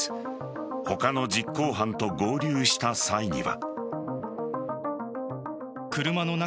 他の実行犯と合流した際には。